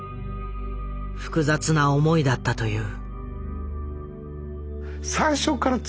複雑な思いだったという。